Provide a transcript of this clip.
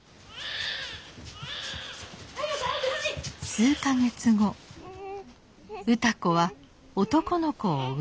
数か月後歌子は男の子を産みました。